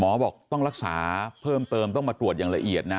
บอกต้องรักษาเพิ่มเติมต้องมาตรวจอย่างละเอียดนะ